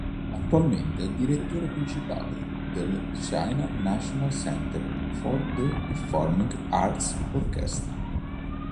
Attualmente è il direttore principale del China National Center for the Performing Arts Orchestra.